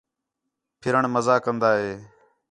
پھرݨ مزا کندہ ہے